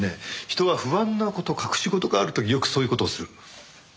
人は不安な事隠し事がある時よくそういう事をする。